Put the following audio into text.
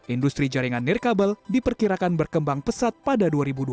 industri jaringan nirkabel diperkirakan berkembang pesat pada dua ribu dua puluh